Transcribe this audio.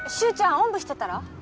おんぶしてったら？